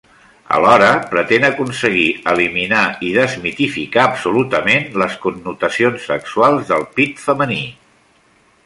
Alhora, pretén aconseguir eliminar i desmitificar absolutament les connotacions sexuals del pit femení.